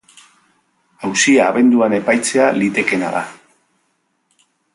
Auzia abenduan epaitzea litekeena da.